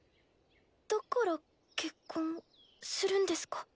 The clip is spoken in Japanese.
だから結婚するんですか？